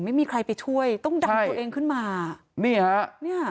ไม่มีใครไปช่วยต้องดันตัวเองขึ้นมานี่ฮะเนี่ย